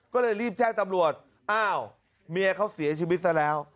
ก็เลยรีบแจ้งตำรวจอ้าวเมียเขาเสียชีวิตซะแล้ว